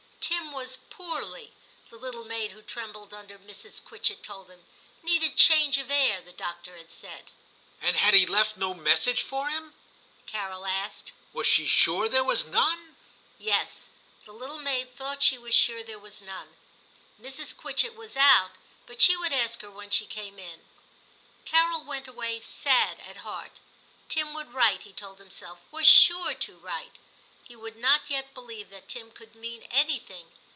Tim was * poorly/ the little maid who trembled under Mrs. Quit chett told him, * needed change of air, the doctor had said.* * And had he left no message for him .'^' Carol asked ;* was she sure there was none "i * Yes ; the little maid thought she was sure there was none. Mrs. Quitchett was out, but she would ask her when she came in. Carol went away sad at heart. Tim would write, he told himself, — was sure to write. He would not yet believe that Tim could mean anything.